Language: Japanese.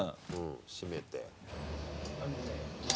閉めて。